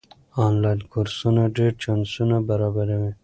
آنلاین کورسونه ډېر چانسونه برابروي.